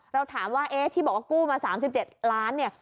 เราถามว่าเอ๊ะที่บอกว่ากู้มา๓๗ล้านเนี่ย